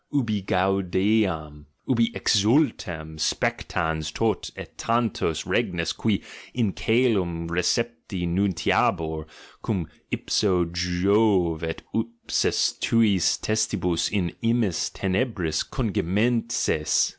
Ubi gaudeam! Ubi exultem, spectans tot ct tantos reges, qui in caelum recepti nuntiabantur, cum ipso Jove el ipsis suis testibus in imis tenebris congemesccntes!